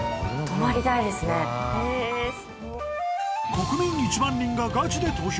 国民１万人がガチで投票！